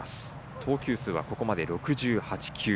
投球数はここまで６８球。